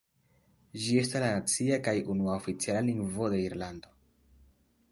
Ĝi estas la nacia kaj unua oficiala lingvo de Irlando.